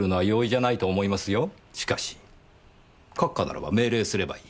しかし閣下ならば命令すればいい。